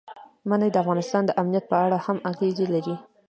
منی د افغانستان د امنیت په اړه هم اغېز لري.